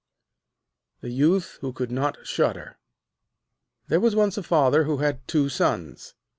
The Youth who could not Shudder There was once a Father who had two sons.